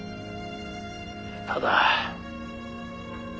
ただ。